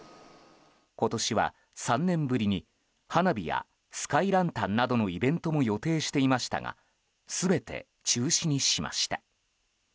今年は３年ぶりに花火やスカイランタンなどのイベントも予定していましたが全て中止にしました。